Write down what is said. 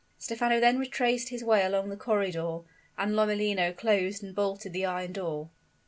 Stephano then retraced his way along the corridor, and Lomellino closed and bolted the iron door.